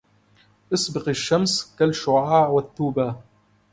اسبقي الشمس كالشعاع وثوبا